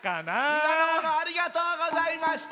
みなのものありがとうございました！